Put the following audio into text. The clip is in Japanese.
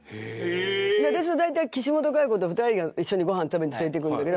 私と大体岸本加世子と２人が一緒にご飯食べに連れていくんだけど。